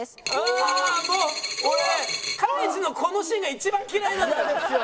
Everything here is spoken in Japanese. ああもう俺『カイジ』のこのシーンが一番嫌いなんだよ。